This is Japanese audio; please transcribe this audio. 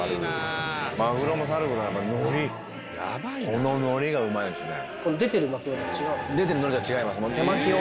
この海苔がうまいんですね。